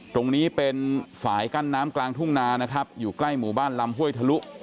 ตรงนี้เป็นฝ่ายกั้นน้ำกลางทุ่งนานะครับอยู่ใกล้หมู่บ้านลำห้วยทะลุ